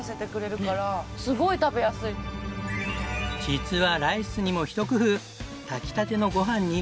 実はライスにも一工夫。